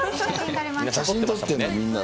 写真撮ってる、みんなで。